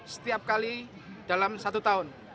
setiap kali dalam satu tahun